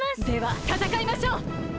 ではたたかいましょう！